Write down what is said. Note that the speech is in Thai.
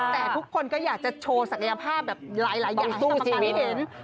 แต่ทุกคนก็อยากจะโชว์ศักยภาพแบบหลายอย่างที่สำคัญให้เห็น